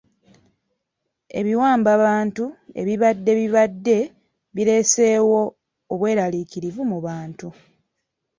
Ebiwambabantu ebibadde bibadde bireeseewo obweraliikirivu mu bantu.